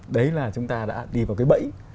đấy là chúng ta đã đi vào cái bẫy